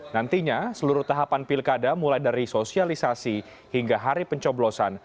nantinya seluruh tahapan pilkada mulai dari sosialisasi hingga hari pencoblosan